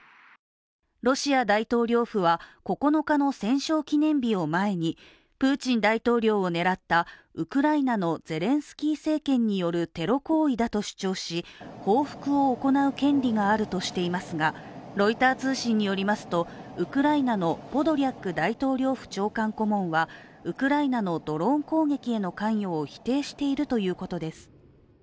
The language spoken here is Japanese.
ロシア大統領府は９日の戦勝記念日を前にプーチン大統領を狙ったウクライナのゼレンスキー政権によるテロ行為だと主張し報復を行う権利があるとしていますがロイター通信によりますと、ウクライナのポドリャク大統領府長官顧問はウクライナのドローン攻撃への関与を否定しているということです。